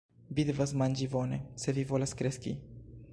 Vi devas manĝi bone, se vi volas kreski.